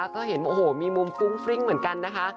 ก็เห็นโอ้โหมีมุมฟุ้งฟริ้งเหมือนกันนะคะ